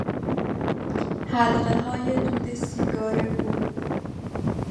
حلقههای دود سیگار او